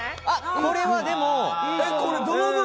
これは、でも。